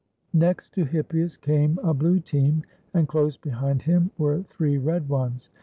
Next to Hippias came a blue team, and close behind him were three red ones.